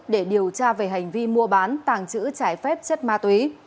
để điều tra về hành vi mua bán tàng trữ trái phép chất ma túy